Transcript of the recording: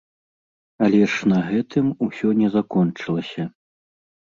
Але ж на гэтым усё не закончылася.